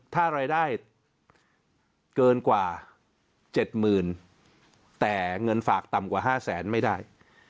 ถ้ารายได้เกินกว่า๗๐๐๐แต่เงินฝากต่ำกว่า๕แสนไม่ได้